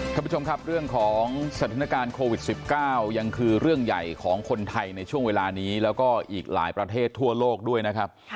ท่านผู้ชมครับเรื่องของสถานการณ์โควิด๑๙ยังคือเรื่องใหญ่ของคนไทยในช่วงเวลานี้แล้วก็อีกหลายประเทศทั่วโลกด้วยนะครับ